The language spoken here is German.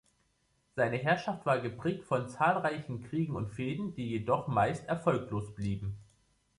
Seine Herrschaft war geprägt von zahlreichen Kriegen und Fehden, die jedoch meist erfolglos blieben.